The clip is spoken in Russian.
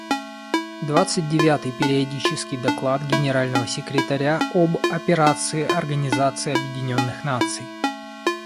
Двадцать девятый периодический доклад Генерального секретаря об Операции Организации Объединенных Наций.